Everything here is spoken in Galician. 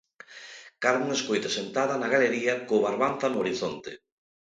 Carmen escoita sentada na galería co Barbanza no horizonte.